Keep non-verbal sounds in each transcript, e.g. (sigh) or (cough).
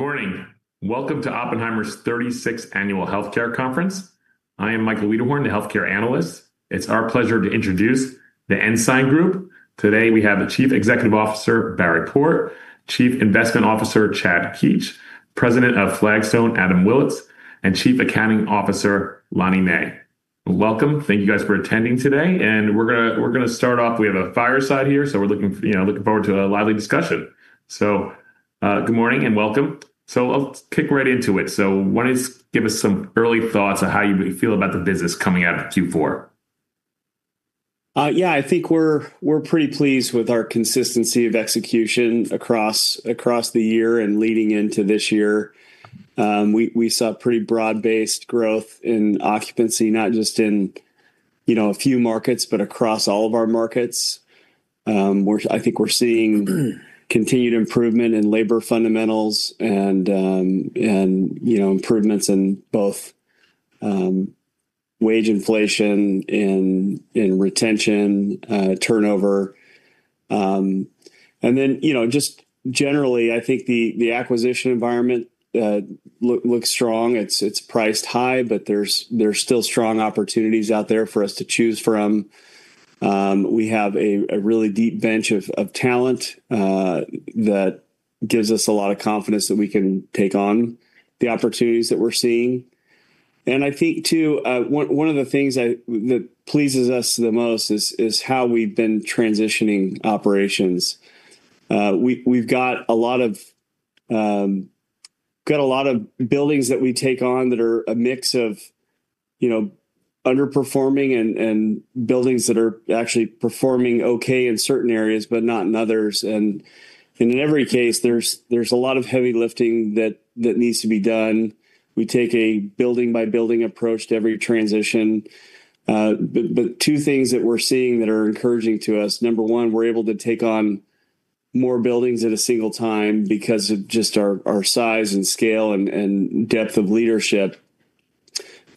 Good morning. Welcome to Oppenheimer's 36th Annual Healthcare MedTech & Services Conference. I am Michael Wiederhorn, the healthcare analyst. It's our pleasure to introduce The Ensign Group. Today, we have the Chief Executive Officer, Barry Port, Chief Investment Officer, Chad Keetch, President of Flagstone, Adam Willits, and Chief Accounting Officer, Suzanne Snapper. Welcome. Thank you, guys, for attending today. We're gonna start off. We have a fireside here, so we're looking, you know, forward to a lively discussion. Good morning and welcome. I'll kick right into it. Why don't you give us some early thoughts on how you feel about the business coming out of Q4? Yeah, I think we're pretty pleased with our consistency of execution across the year and leading into this year. We saw pretty broad-based growth in occupancy, not just in you know a few markets, but across all of our markets. I think we're seeing continued improvement in labor fundamentals and you know improvements in both wage inflation in retention turnover. And then you know just generally I think the acquisition environment looks strong. It's priced high, but there's still strong opportunities out there for us to choose from. We have a really deep bench of talent that gives us a lot of confidence that we can take on the opportunities that we're seeing. I think too, one of the things that pleases us the most is how we've been transitioning operations. We've got a lot of buildings that we take on that are a mix of, you know, underperforming and buildings that are actually performing okay in certain areas, but not in others. In every case, there's a lot of heavy lifting that needs to be done. We take a building-by-building approach to every transition. Two things that we're seeing that are encouraging to us, number one, we're able to take on more buildings at a single time because of just our size and scale and depth of leadership.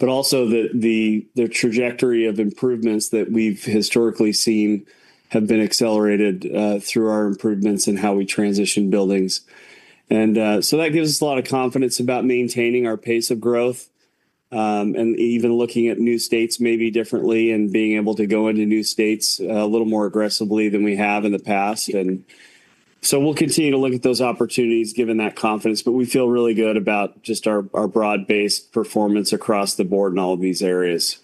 Also the trajectory of improvements that we've historically seen have been accelerated through our improvements in how we transition buildings. That gives us a lot of confidence about maintaining our pace of growth and even looking at new states maybe differently and being able to go into new states a little more aggressively than we have in the past. We'll continue to look at those opportunities given that confidence, but we feel really good about just our broad-based performance across the board in all of these areas.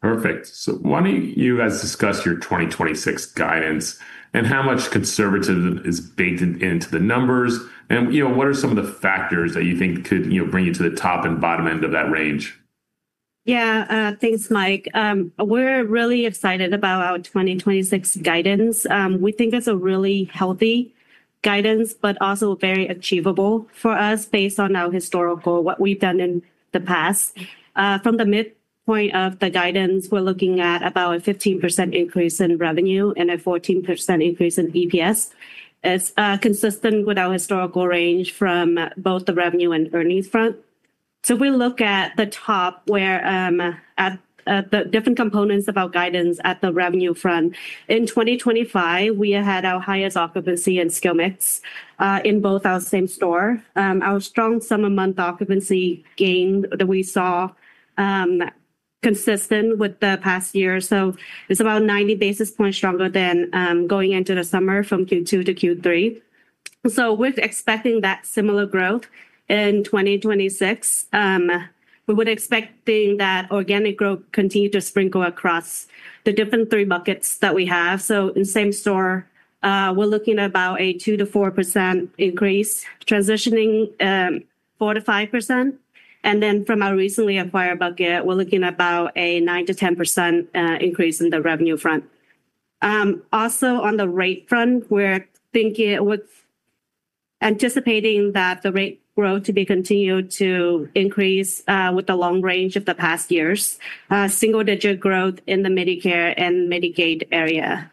Perfect. Why don't you guys discuss your 2026 guidance and how much conservatism is baked into the numbers? You know, what are some of the factors that you think could, you know, bring you to the top and bottom end of that range? Yeah. Thanks, Mike. We're really excited about our 2026 guidance. We think it's a really healthy guidance, but also very achievable for us based on our historical, what we've done in the past. From the midpoint of the guidance, we're looking at about a 15% increase in revenue and a 14% increase in EPS. It's consistent with our historical range from both the revenue and earnings front. If we look at the top where at the different components of our guidance at the revenue front. In 2025, we had our highest occupancy and skilled mix in both our same-store. Our strong summer month occupancy gain that we saw, consistent with the past year or so. It's about 90 basis points stronger than going into the summer from Q2 to Q3. We're expecting that similar growth in 2026. We were expecting that organic growth continue to sprinkle across the different three buckets that we have. In same-store, we're looking at about a 2%-4% increase. Transitioning, 4%-5%. Then from our recently acquired bucket, we're looking about a 9%-10% increase in the revenue front. Also on the rate front, we're anticipating that the rate growth to be continued to increase with the long range of the past years. Single-digit growth in the Medicare and Medicaid area.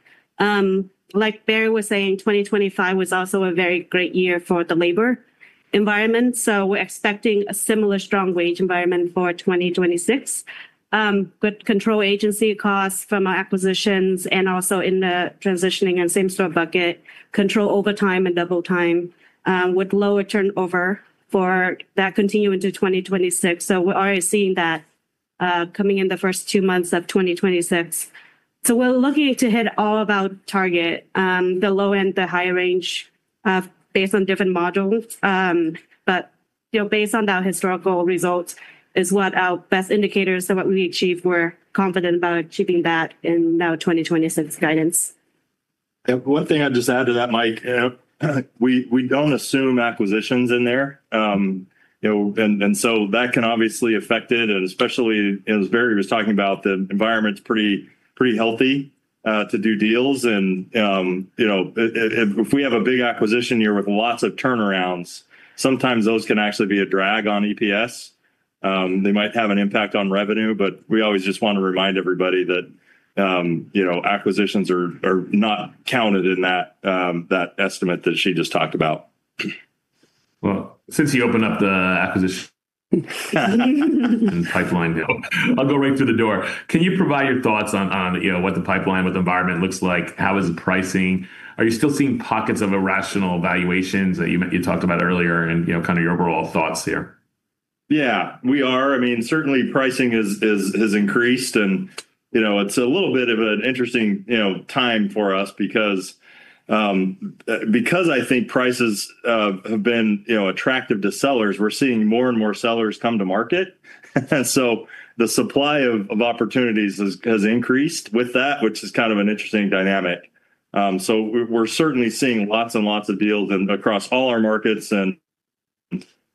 Like Barry was saying, 2025 was also a very great year for the labor environment, so we're expecting a similar strong wage environment for 2026. Good control agency costs from our acquisitions and also in the transitioning and same-store bucket. Control overtime and double time, with lower turnover for that continue into 2026. We're already seeing that, coming in the first two months of 2026. We're looking to hit all of our targets, the low end, the high range, based on different models. You know, based on the historical results, is what our best indicators of what we achieved, we're confident about achieving that in our 2026 guidance. One thing I'd just add to that, Mike, we don't assume acquisitions in there. You know, so that can obviously affect it, and especially as Barry was talking about, the environment's pretty healthy to do deals. If we have a big acquisition here with lots of turnarounds, sometimes those can actually be a drag on EPS. They might have an impact on revenue, but we always just want to remind everybody that, you know, acquisitions are not counted in that estimate that she just talked about. Well, since you opened up the acquisition pipeline deal. I'll go right through the door. Can you provide your thoughts on, you know, what the pipeline, what the environment looks like? How is the pricing? Are you still seeing pockets of irrational valuations that you talked about earlier and, you know, kind of your overall thoughts here? Yeah, we are. I mean, certainly pricing has increased and, you know, it's a little bit of an interesting, you know, time for us because I think prices have been, you know, attractive to sellers. We're seeing more and more sellers come to market. The supply of opportunities has increased with that, which is kind of an interesting dynamic. We're certainly seeing lots and lots of deals across all our markets and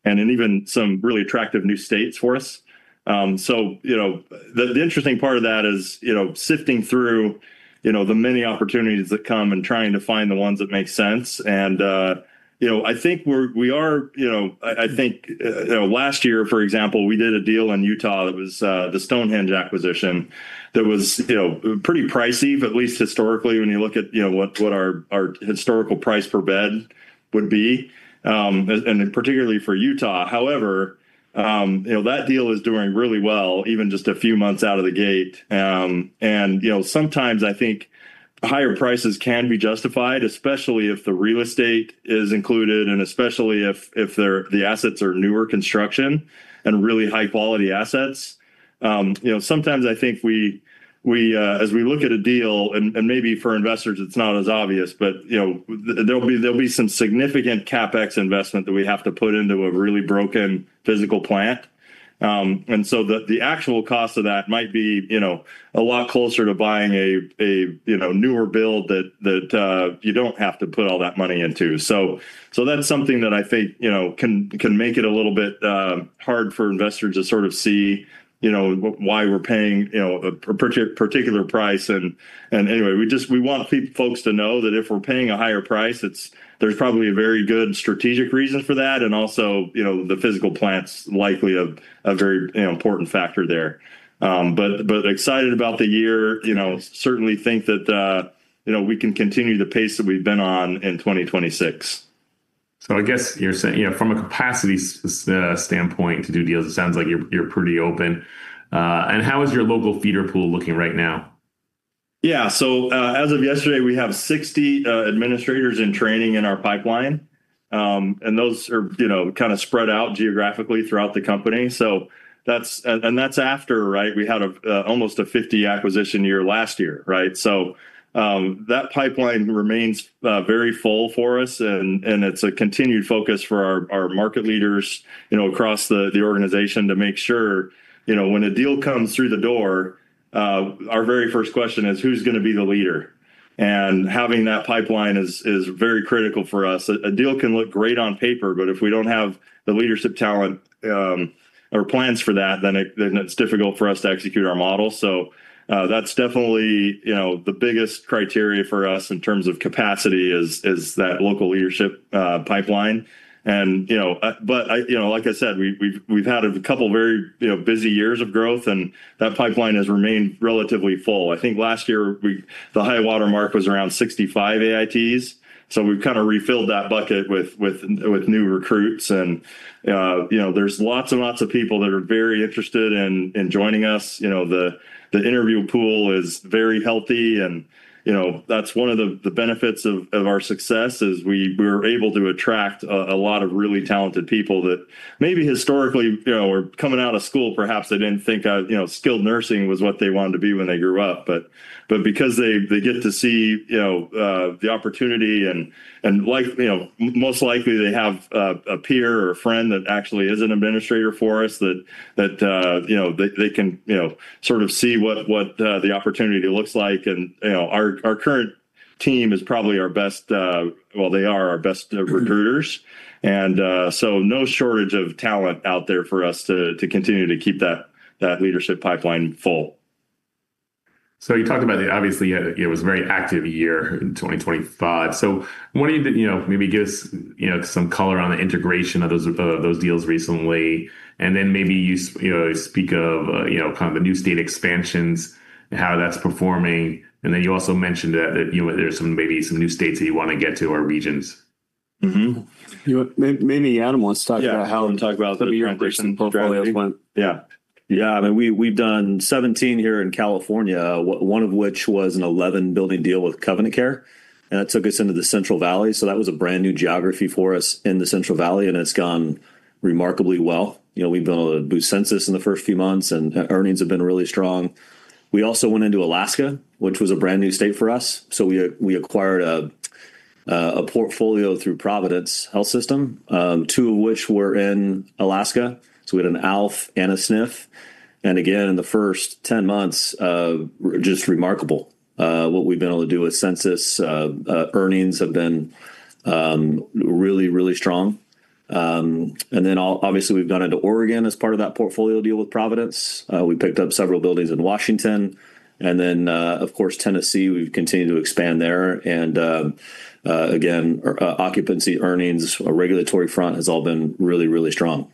in even some really attractive new states for us. The interesting part of that is, you know, sifting through, you know, the many opportunities that come and trying to find the ones that make sense. I think we're—I think, you know, last year, for example, we did a deal in Utah that was the Stonehenge acquisition that was, you know, pretty pricey, but at least historically, when you look at, you know, what our historical price per bed would be, as in particularly for Utah. However, you know, that deal is doing really well, even just a few months out of the gate. You know, sometimes I think higher prices can be justified, especially if the real estate is included and especially if the assets are newer construction and really high-quality assets. You know, sometimes I think as we look at a deal, and maybe for investors, it's not as obvious, but you know, there'll be some significant CapEx investment that we have to put into a really broken physical plant. The actual cost of that might be, you know, a lot closer to buying a, you know, newer build that you don't have to put all that money into. That's something that I think, you know, can make it a little bit hard for investors to sort of see, you know, why we're paying, you know, a particular price. Anyway, we want folks to know that if we're paying a higher price, there's probably a very good strategic reason for that. Also, you know, the physical plant's likely a very, you know, important factor there. Excited about the year, you know, certainly think that, you know, we can continue the pace that we've been on in 2026. I guess you're saying, you know, from a capacity standpoint to do deals, it sounds like you're pretty open. How is your local feeder pool looking right now? As of yesterday, we have 60 administrators in training in our pipeline. Those are, you know, kind of spread out geographically throughout the company. That's after, right, we had almost a 50-acquisition year last year, right? That pipeline remains very full for us, and it's a continued focus for our market leaders, you know, across the organization to make sure, you know, when a deal comes through the door, our very first question is, "Who's gonna be the leader?" Having that pipeline is very critical for us. A deal can look great on paper, but if we don't have the leadership talent or plans for that, then it's difficult for us to execute our model. That's definitely, you know, the biggest criteria for us in terms of capacity is that local leadership pipeline. You know, but I, you know, like I said, we've had a couple very, you know, busy years of growth, and that pipeline has remained relatively full. I think last year, the high-water mark was around 65 AITs, so we've kinda refilled that bucket with new recruits. You know, there's lots and lots of people that are very interested in joining us. You know, the interview pool is very healthy and, you know, that's one of the benefits of our success is we're able to attract a lot of really talented people that maybe historically, you know, were coming out of school, perhaps they didn't think, you know, skilled nursing was what they wanted to be when they grew up. Because they get to see, you know, the opportunity and like, you know, most likely they have a peer or a friend that actually is an administrator for us that, you know, they can sort of see what the opportunity looks like. You know, our current team is probably our best, well, they are our best recruiters. No shortage of talent out there for us to continue to keep that leadership pipeline full. You talked about obviously it was a very active year in 2025. Wondering if you know, maybe give us you know some color on the integration of those deals recently, and then maybe you know speak of you know kind of the new state expansions and how that's performing. You also mentioned that you know there's some maybe some new states that you wanna get to or regions. Mm-hmm. Maybe Adam wants to talk about how the integration portfolios went. Yeah. You want to talk about the integration portfolio point. Yeah. I mean, we've done 17 here in California, one of which was an 11-building deal with Covenant Care, and that took us into the Central Valley. That was a brand-new geography for us in the Central Valley, and it's gone remarkably well. You know, we've been able to boost census in the first few months, and earnings have been really strong. We also went into Alaska, which was a brand-new state for us. We acquired a portfolio through Providence Health & Services, two of which were in Alaska, so we had an ALF and a SNF. Again, in the first 10 months, just remarkable what we've been able to do with census. Earnings have been really, really strong. Then obviously, we've gone into Oregon as part of that portfolio deal with Providence Health & Services. We picked up several buildings in Washington. Of course, Tennessee, we've continued to expand there. Again, occupancy earnings, our regulatory front has all been really, really strong.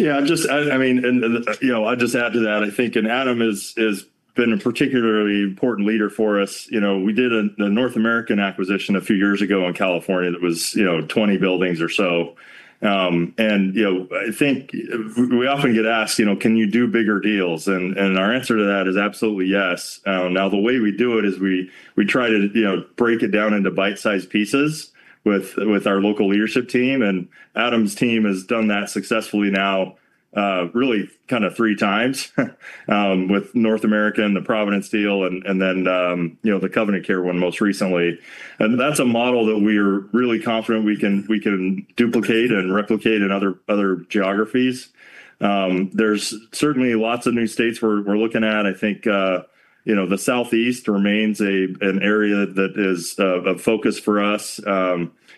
Yeah, just, I mean, you know, I'll just add to that. I think and Adam has been a particularly important leader for us. You know, we did the North American Health Care acquisition a few years ago in California that was, you know, 20 buildings or so. You know, I think we often get asked, you know, can you do bigger deals? Our answer to that is absolutely yes. Now the way we do it is we try to, you know, break it down into bite-sized pieces with our local leadership team. Adam's team has done that successfully now, really kinda three times, with North American and the Providence deal and then, you know, the Covenant Care one most recently. That's a model that we're really confident we can duplicate and replicate in other geographies. There's certainly lots of new states we're looking at. I think, you know, the Southeast remains an area that is of focus for us.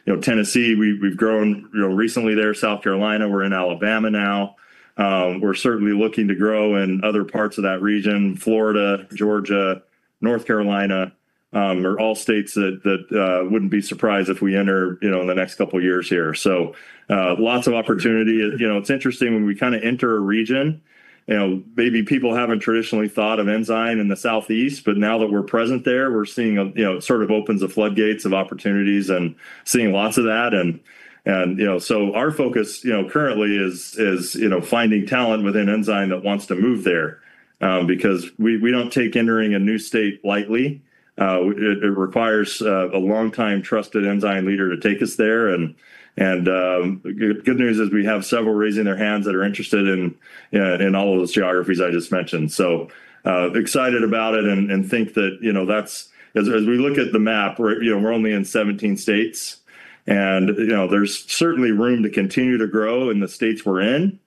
You know, Tennessee, we've grown, you know, recently there. South Carolina, we're in Alabama now. We're certainly looking to grow in other parts of that region. Florida, Georgia, North Carolina, are all states that wouldn't be surprised if we enter, you know, in the next couple of years here. So, lots of opportunity. You know, it's interesting, when we kinda enter a region, you know, maybe people haven't traditionally thought of Ensign in the Southeast, but now that we're present there, we're seeing you know, it sort of opens the floodgates of opportunities and seeing lots of that. Our focus, you know, currently is you know, finding talent within Ensign that wants to move there, because we don't take entering a new state lightly. It requires a long-time trusted Ensign leader to take us there. Good news is we have several raising their hands that are interested in all of those geographies I just mentioned. Excited about it and think that, you know, that's—as we look at the map, you know, we're only in 17 states and, you know, there's certainly room to continue to grow in the states we're in.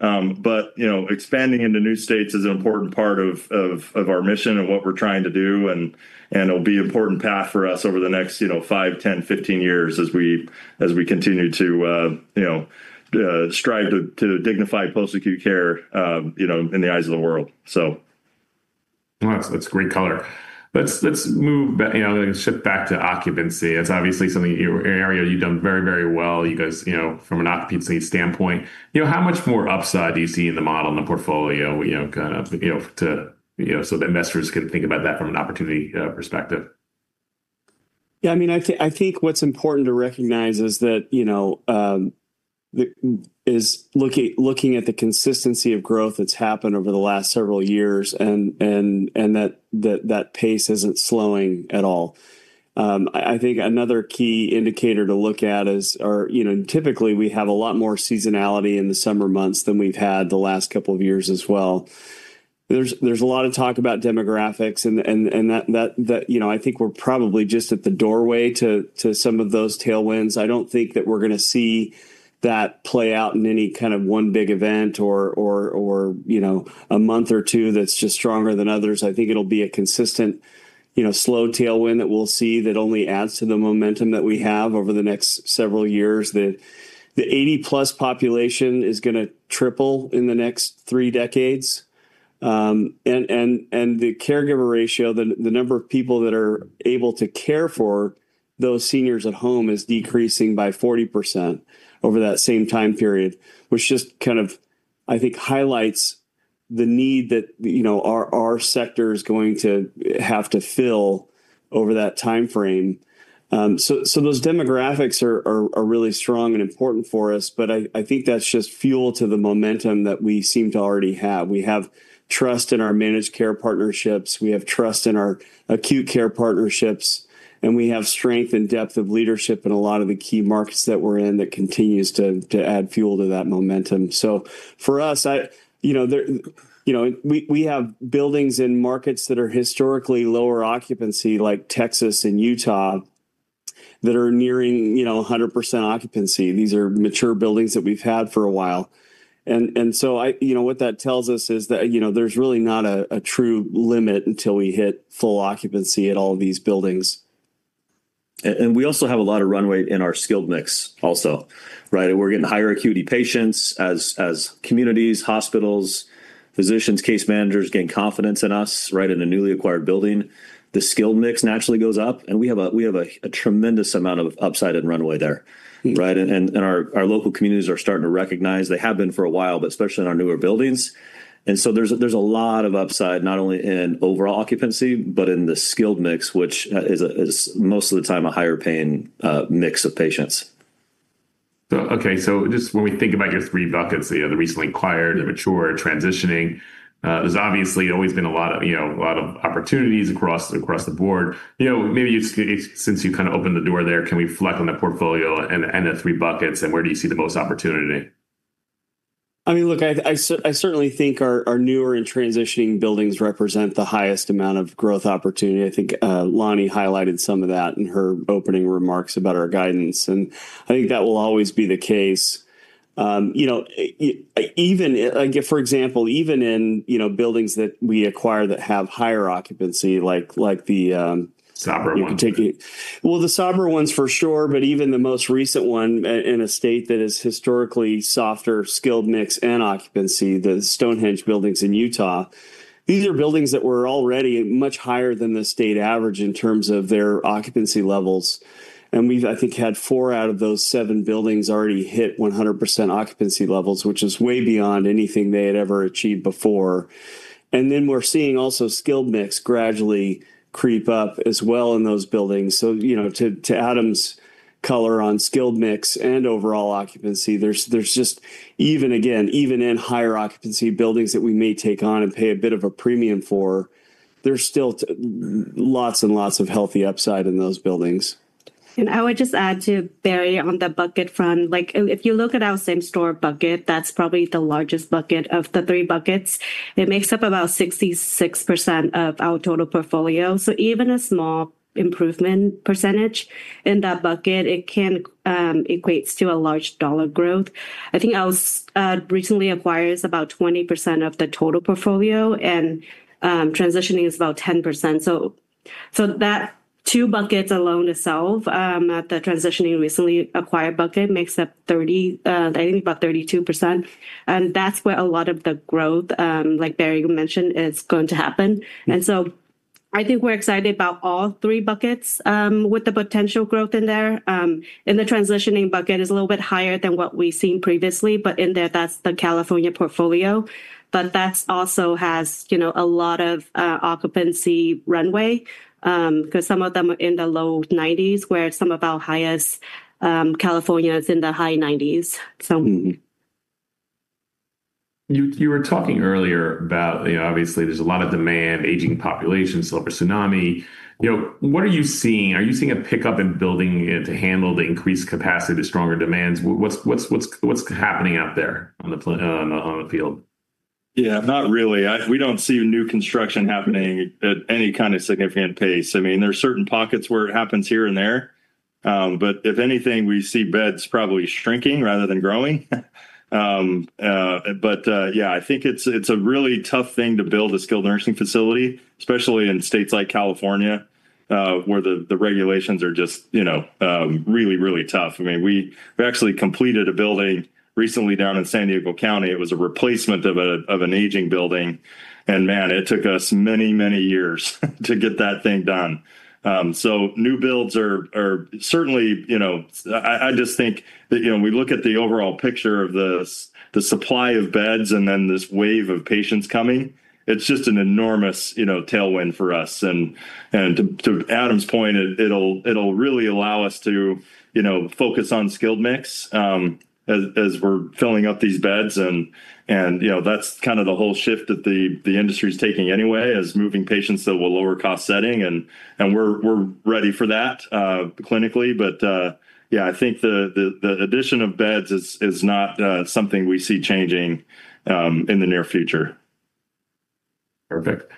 But, you know, expanding into new states is an important part of our mission and what we're trying to do, and it'll be an important path for us over the next, you know, five, 10, 15 years as we continue to, you know, strive to dignify post-acute care, you know, in the eyes of the world. Well, that's great color. Let's move, you know, shift back to occupancy. It's obviously something, an area you've done very, very well, you guys, you know, from an occupancy standpoint. You know, how much more upside do you see in the model, in the portfolio, you know, kind of, you know, to, you know, so the investors can think about that from an opportunity perspective? Yeah, I mean, I think what's important to recognize is that, you know, looking at the consistency of growth that's happened over the last several years and that pace isn't slowing at all. I think another key indicator to look at is, you know, typically, we have a lot more seasonality in the summer months than we've had the last couple of years as well. There's a lot of talk about demographics and that, you know, I think we're probably just at the doorway to some of those tailwinds. I don't think that we're gonna see that play out in any kind of one big event or, you know, a month or two that's just stronger than others. I think it'll be a consistent, you know, slow tailwind that we'll see that only adds to the momentum that we have over the next several years. The 80+ population is gonna triple in the next three decades. The caregiver ratio, the number of people that are able to care for those seniors at home is decreasing by 40% over that same time period, which just kind of, I think, highlights the need that, you know, our sector is going to have to fill over that timeframe. Those demographics are really strong and important for us, but I think that's just fuel to the momentum that we seem to already have. We have trust in our managed care partnerships, we have trust in our acute care partnerships, and we have strength and depth of leadership in a lot of the key markets that we're in that continues to add fuel to that momentum. For us, you know, we have buildings and markets that are historically lower occupancy, like Texas and Utah, that are nearing, you know, 100% occupancy. These are mature buildings that we've had for a while. You know, what that tells us is that, you know, there's really not a true limit until we hit full occupancy at all of these buildings. We also have a lot of runway in our skilled mix also, right? We're getting higher acuity patients as communities, hospitals, physicians, case managers gain confidence in us, right? In a newly acquired building, the skilled mix naturally goes up, and we have a tremendous amount of upside and runway there, right? Our local communities are starting to recognize—they have been for a while, but especially in our newer buildings. There's a lot of upside, not only in overall occupancy, but in the skilled mix, which is most of the time a higher paying mix of patients. Okay. Just when we think about your three buckets, you know, the recently acquired, the mature, and transitioning, there's obviously always been a lot of, you know, a lot of opportunities across the board. You know, maybe since you kinda opened the door there, can we reflect on the portfolio and the three buckets, and where do you see the most opportunity? I mean, look, I certainly think our newer and transitioning buildings represent the highest amount of growth opportunity. I think, Lanie highlighted some of that in her opening remarks about our guidance, and I think that will always be the case. You know, for example, even in, you know, buildings that we acquire that have higher occupancy, like the Saber ones. Well, the Saber ones for sure, but even the most recent one in a state that is historically softer skilled mix and occupancy, the Stonehenge buildings in Utah. These are buildings that were already much higher than the state average in terms of their occupancy levels. We've, I think, had four out of those seven buildings already hit 100% occupancy levels, which is way beyond anything they had ever achieved before. We're seeing also skilled mix gradually creep up as well in those buildings. You know, to add more color on skilled mix and overall occupancy. There's just even in higher occupancy buildings that we may take on and pay a bit of a premium for, there's still lots and lots of healthy upside in those buildings. I would just add to Barry on the bucket front, like, if you look at our same store bucket, that's probably the largest bucket of the three buckets. It makes up about 66% of our total portfolio. So even a small improvement percentage in that bucket, it can equates to a large dollar growth. I think our recently acquired is about 20% of the total portfolio, and transitioning is about 10%. So that two buckets alone itself, the transitioning recently acquired bucket makes up 30, I think about 32%. That's where a lot of the growth, like Barry mentioned, is going to happen. I think we're excited about all three buckets with the potential growth in there. The transitioning bucket is a little bit higher than what we've seen previously, but in there, that's the California portfolio. That also has, you know, a lot of occupancy runway, 'cause some of them are in the low 90s, where some of our highest California is in the high 90s. You were talking earlier about, you know, obviously there's a lot of demand, aging population, silver tsunami, you know, what are you seeing? Are you seeing a pickup in building to handle the increased capacity, stronger demands? What's happening out there on the field? Yeah, not really. We don't see new construction happening at any kind of significant pace. I mean, there are certain pockets where it happens here and there, but if anything, we see beds probably shrinking rather than growing. Yeah, I think it's a really tough thing to build a skilled nursing facility, especially in states like California, where the regulations are just, you know, really tough. I mean, we actually completed a building recently down in San Diego County. It was a replacement of an aging building. Man, it took us many years to get that thing done. New builds are certainly, you know. I just think that, you know, we look at the overall picture of the supply of beds and then this wave of patients coming. It's just an enormous, you know, tailwind for us. To Adam's point, it'll really allow us to, you know, focus on skilled mix, as we're filling up these beds and, you know, that's kind of the whole shift that the industry is taking anyway, is moving patients to a lower cost setting and we're ready for that, clinically. Yeah, I think the addition of beds is not something we see changing, in the near future. Perfect.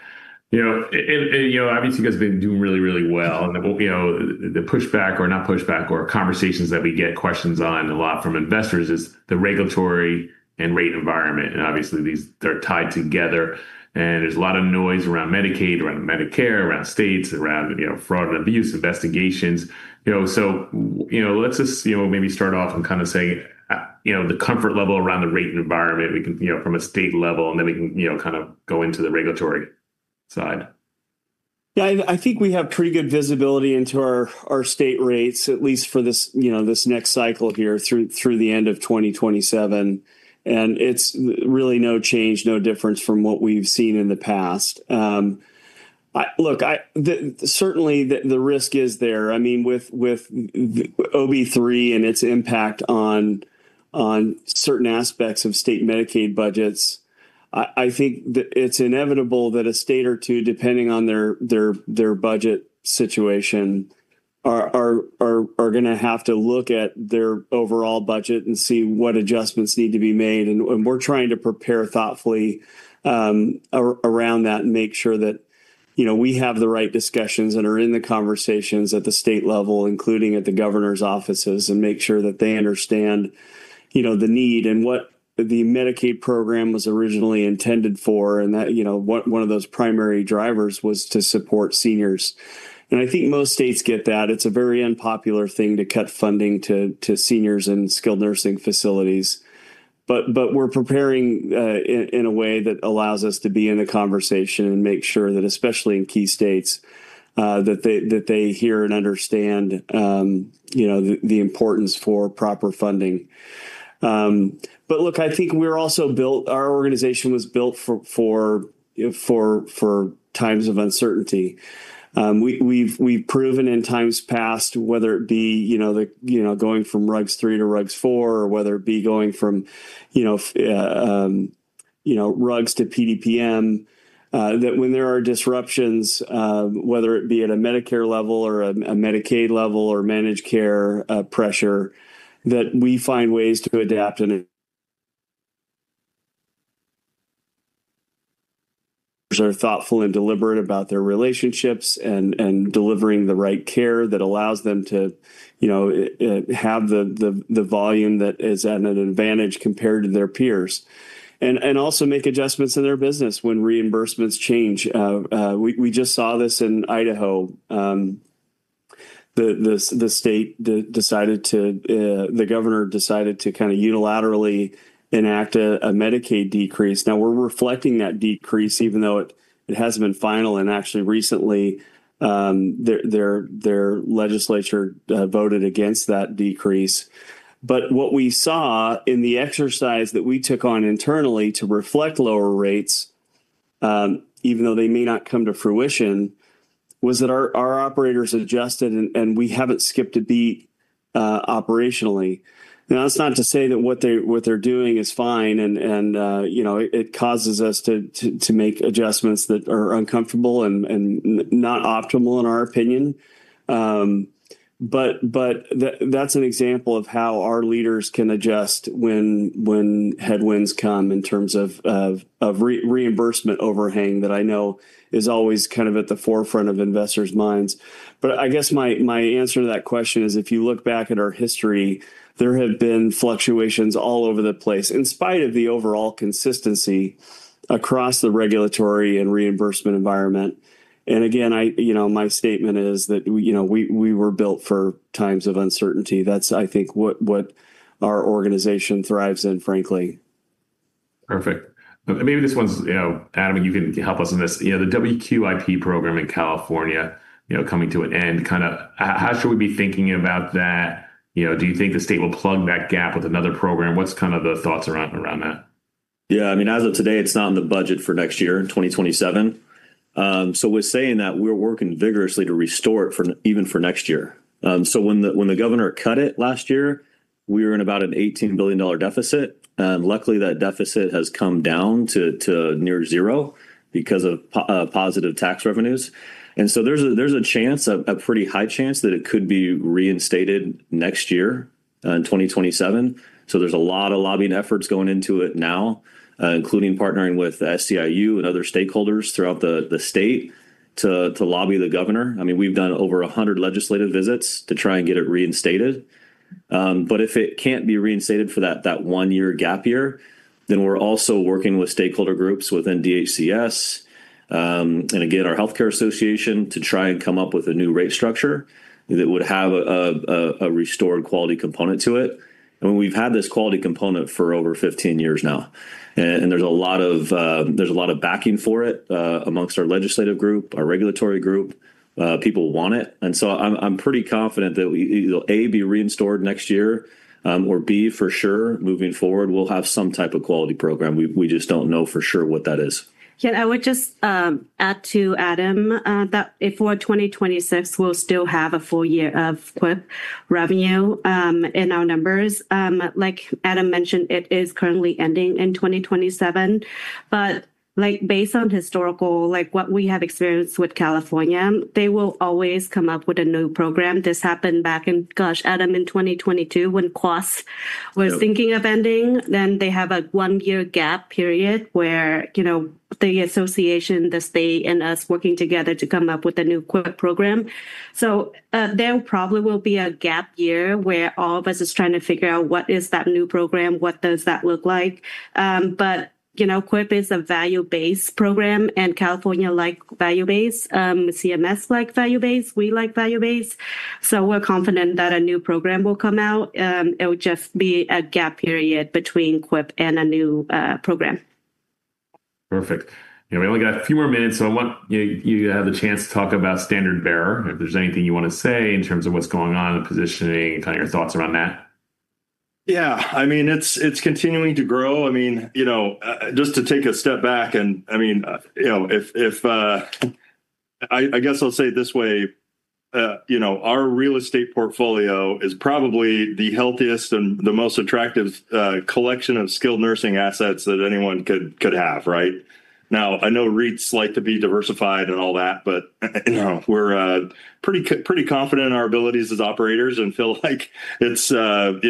You know, and you know, obviously you guys have been doing really well. You know, the pushback or not pushback or conversations that we get questions on a lot from investors is the regulatory and rate environment. Obviously these, they're tied together, and there's a lot of noise around Medicaid, around Medicare, around states, around, you know, fraud and abuse investigations. You know, you know, let's just, you know, maybe start off and kind of say, you know, the comfort level around the rate environment we can, you know, from a state level, and then we can, you know, kind of go into the regulatory side. Yeah. I think we have pretty good visibility into our state rates, at least for this, you know, this next cycle here through the end of 2027. It's really no change, no difference from what we've seen in the past. Certainly the risk is there. I mean, with OBBBA and its impact on certain aspects of state Medicaid budgets, I think that it's inevitable that a state or two, depending on their budget situation, are gonna have to look at their overall budget and see what adjustments need to be made. We're trying to prepare thoughtfully around that and make sure that you know we have the right discussions and are in the conversations at the state level, including at the governor's offices, and make sure that they understand you know the need and what the Medicaid program was originally intended for, and that you know one of those primary drivers was to support seniors. I think most states get that. It's a very unpopular thing to cut funding to seniors in skilled nursing facilities. We're preparing in a way that allows us to be in the conversation and make sure that especially in key states that they hear and understand you know the importance for proper funding. Look, I think our organization was built for times of uncertainty. We've proven in times past, whether it be you know the going from RUGs III to RUGs IV, or whether it be going from you know RUGs to PDPM, that when there are disruptions, whether it be at a Medicare level or a Medicaid level or managed care pressure, that we find ways to adapt and (inaudible) are thoughtful and deliberate about their relationships and delivering the right care that allows them to you know have the volume that is at an advantage compared to their peers. Also make adjustments in their business when reimbursements change. We just saw this in Idaho, the governor decided to kind of unilaterally enact a Medicaid decrease. Now we're reflecting that decrease even though it hasn't been final and actually recently their legislature voted against that decrease. What we saw in the exercise that we took on internally to reflect lower rates even though they may not come to fruition, our operators adjusted and we haven't skipped a beat operationally. Now, that's not to say that what they're doing is fine, and you know, it causes us to make adjustments that are uncomfortable and not optimal in our opinion. That's an example of how our leaders can adjust when headwinds come in terms of reimbursement overhang that I know is always kind of at the forefront of investors' minds. I guess my answer to that question is, if you look back at our history, there have been fluctuations all over the place, in spite of the overall consistency across the regulatory and reimbursement environment. Again, I, you know, my statement is that we, you know, we were built for times of uncertainty. That's, I think, what our organization thrives in, frankly. Perfect. Maybe this one's, you know, Adam, you can help us in this. You know, the WQIP program in California, you know, coming to an end, kinda how should we be thinking about that? You know, do you think the state will plug that gap with another program? What's kind of the thoughts around that? Yeah, I mean, as of today, it's not in the budget for next year, in 2027. With that said, we're working vigorously to restore it for, even for next year. When the governor cut it last year, we were in about an $18 billion deficit, and luckily that deficit has come down to near zero because of positive tax revenues. There's a chance, a pretty high chance that it could be reinstated next year, in 2027. There's a lot of lobbying efforts going into it now, including partnering with SEIU and other stakeholders throughout the state to lobby the governor. I mean, we've done over 100 legislative visits to try and get it reinstated. If it can't be reinstated for that one-year gap year, then we're also working with stakeholder groups within DHCS and again, our healthcare association to try and come up with a new rate structure that would have a restored quality component to it. We've had this quality component for over 15 years now. There's a lot of backing for it amongst our legislative group, our regulatory group. People want it. I'm pretty confident that it'll A, be restored next year or B, for sure, moving forward, we'll have some type of quality program. We just don't know for sure what that is. Yeah. I would just add to Adam that for 2026, we'll still have a full year of WQIP revenue in our numbers. Like Adam mentioned, it is currently ending in 2027. Like, based on historical, like what we have experienced with California, they will always come up with a new program. This happened back in, gosh, Adam, in 2022 when QASP was thinking of ending, then they have a one-year gap period where, you know, the association, the state, and us working together to come up with a new WQIP program. There probably will be a gap year where all of us is trying to figure out what is that new program, what does that look like. You know, WQIP is a value-based program, and California like value-based, CMS-like value-based, we like value-based. We're confident that a new program will come out. It would just be a gap period between WQIP and a new program. Perfect. Yeah. We only got a few more minutes, so I want you to have the chance to talk about Standard Bearer, if there's anything you wanna say in terms of what's going on and positioning, kind of your thoughts around that. Yeah. I mean, it's continuing to grow. I mean, you know, just to take a step back and, I mean, you know, if I guess I'll say it this way, you know, our real estate portfolio is probably the healthiest and the most attractive collection of skilled nursing assets that anyone could have, right? Now, I know REITs like to be diversified and all that, but you know, we're pretty confident in our abilities as operators and feel like it's, you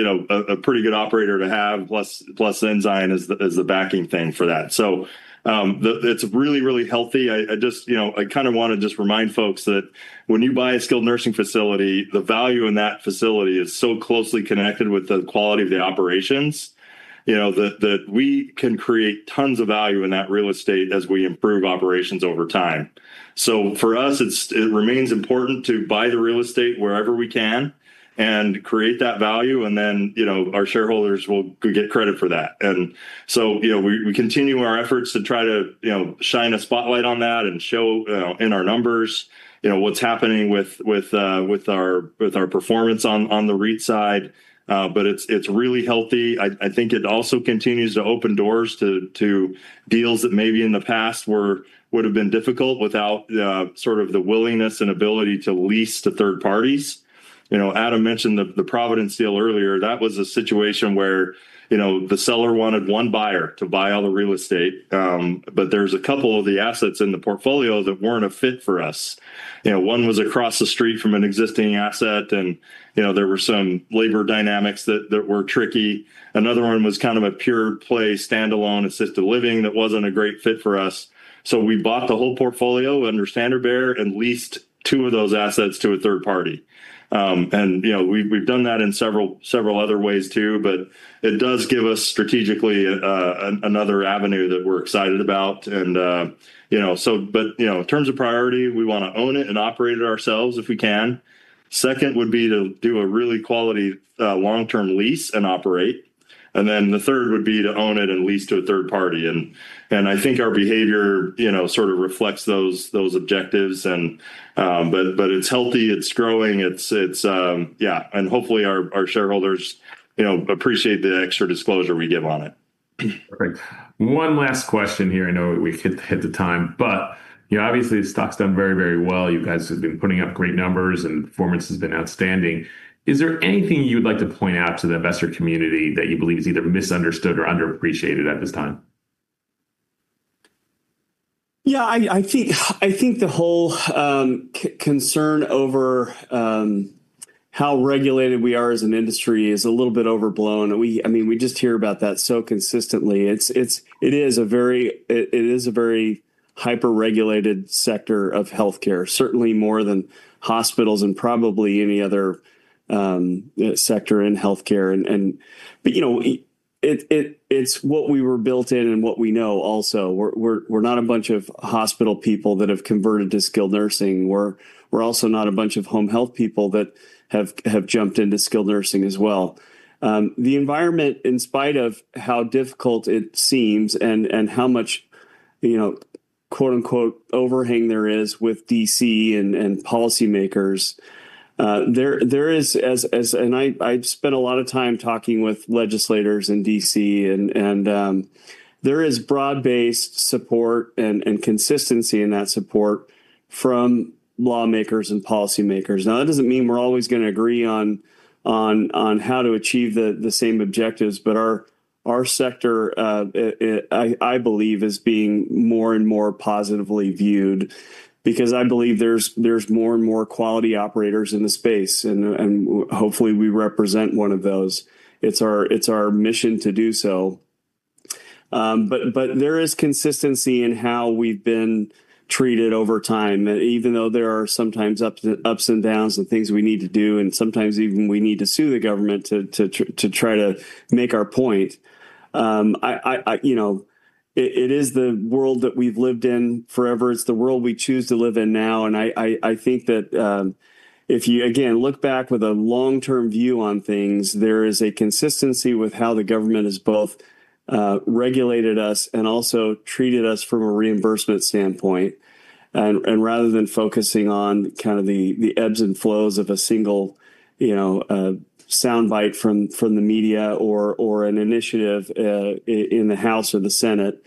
know, a pretty good operator to have, plus Ensign as the backing thing for that. So, it's really healthy. I just, you know, I kinda wanna just remind folks that when you buy a skilled nursing facility, the value in that facility is so closely connected with the quality of the operations, you know, that we can create tons of value in that real estate as we improve operations over time. For us, it remains important to buy the real estate wherever we can and create that value, and then, you know, our shareholders will get credit for that. You know, we continue our efforts to try to, you know, shine a spotlight on that and show, you know, in our numbers, you know, what's happening with our performance on the REIT side. It's really healthy. I think it also continues to open doors to deals that maybe in the past would have been difficult without the sort of the willingness and ability to lease to third parties. You know, Adam mentioned the Providence deal earlier. That was a situation where, you know, the seller wanted one buyer to buy all the real estate, but there's a couple of the assets in the portfolio that weren't a fit for us. You know, one was across the street from an existing asset and, you know, there were some labor dynamics that were tricky. Another one was kind of a pure play standalone assisted living that wasn't a great fit for us. We bought the whole portfolio under Standard Bearer and leased two of those assets to a third party. You know, we've done that in several other ways too, but it does give us strategically another avenue that we're excited about. You know, but in terms of priority, we wanna own it and operate it ourselves if we can. Second would be to do a really quality long-term lease and operate. Then the third would be to own it and lease to a third party. I think our behavior, you know, sort of reflects those objectives and but it's healthy, it's growing, it's. Hopefully our shareholders, you know, appreciate the extra disclosure we give on it. Perfect. One last question here. I know we hit the time, but, you know, obviously, the stock's done very, very well. You guys have been putting up great numbers and performance has been outstanding. Is there anything you'd like to point out to the investor community that you believe is either misunderstood or underappreciated at this time? Yeah, I think the whole concern over how regulated we are as an industry is a little bit overblown. I mean, we just hear about that so consistently. It is a very hyper-regulated sector of healthcare, certainly more than hospitals and probably any other sector in healthcare. You know, it is what we were built in and what we know also. We're not a bunch of hospital people that have converted to skilled nursing. We're also not a bunch of home health people that have jumped into skilled nursing as well. The environment, in spite of how difficult it seems and how much, you know, quote-unquote, "overhang" there is with D.C. and policymakers, there is as. I've spent a lot of time talking with legislators in D.C. and there is broad-based support and consistency in that support from lawmakers and policymakers. Now, that doesn't mean we're always gonna agree on how to achieve the same objectives, but our sector I believe is being more and more positively viewed because I believe there's more and more quality operators in the space, and hopefully we represent one of those. It's our mission to do so. But there is consistency in how we've been treated over time, even though there are sometimes ups and downs and things we need to do, and sometimes even we need to sue the government to try to make our point. You know, it is the world that we've lived in forever. It's the world we choose to live in now. I think that, if you, again, look back with a long-term view on things, there is a consistency with how the government has both regulated us and also treated us from a reimbursement standpoint. Rather than focusing on kind of the ebbs and flows of a single, you know, soundbite from the media or an initiative in the House or the Senate,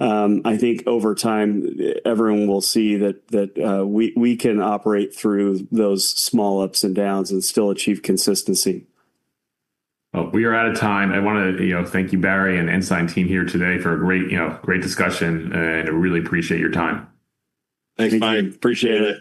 I think over time everyone will see that we can operate through those small ups and downs and still achieve consistency. Well, we are out of time. I wanna, you know, thank you, Barry and Ensign team here today for a great, you know, great discussion, and I really appreciate your time. Thank you, Mike. Appreciate it.